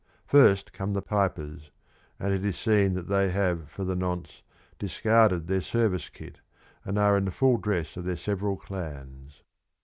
First come the pipers, and it is seen that they have for the nonce discarded their service kit, and are in the full dress of their several clans.